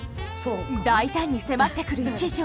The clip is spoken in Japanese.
大胆に迫ってくる一条。